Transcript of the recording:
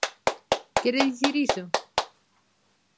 ¿Quere dicir iso?